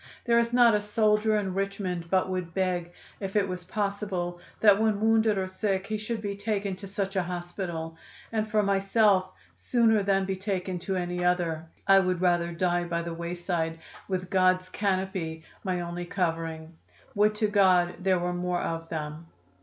There is not a soldier in Richmond but would beg, if it was possible, that when wounded or sick he should to be taken to such an hospital, and for myself, sooner than be taken to any other, I would rather die by the wayside with God's canopy my only covering. Would to God there were more of them!"